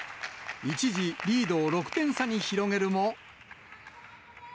一時、リードを６点差に広げるも。